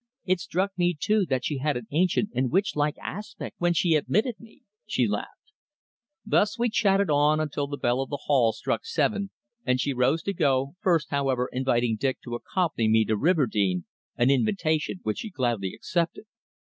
It struck me, too, that she had an ancient and witch like aspect when she admitted me," she laughed. Thus we chatted on until the bell on the Hall struck seven and she rose to go, first, however, inviting Dick to accompany me to Riverdene, an invitation which he gladly accepted.